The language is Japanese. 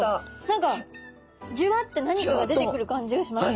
何かジュワッて何かが出てくる感じがしました。